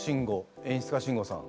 演出家慎吾さん。